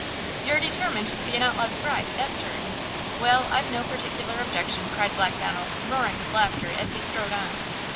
"You're determined to be an outlaw's bride, that's certain! Well, I've no particular objection!" cried Black Donald roaring with laughter as he strode on.